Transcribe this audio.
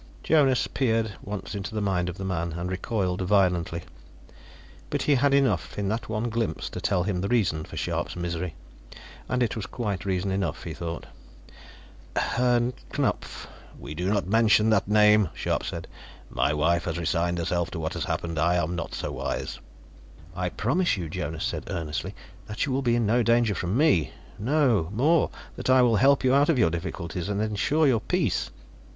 Jonas peered once into the mind of the man, and recoiled violently; but he had enough, in that one glimpse, to tell him the reason for Scharpe's misery. And it was quite reason enough, he thought. "Herr Knupf " "We do not mention that name," Scharpe said. "My wife has resigned herself to what has happened; I am not so wise." "I promise you," Jonas said earnestly, "that you will be in no danger from me. No, more: that I will help you out of your difficulties, and ensure your peace."